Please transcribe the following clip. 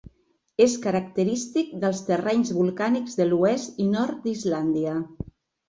És característic dels terrenys volcànics de l'oest i nord d'Islàndia.